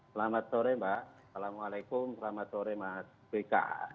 selamat sore mbak assalamualaikum selamat sore mas bk